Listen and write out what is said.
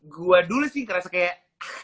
gua dulu sih ngerasa kayak